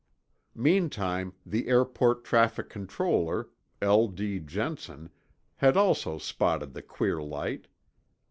Meantime, the airport traffic controller, L. D. Jensen, had also spotted the queer light.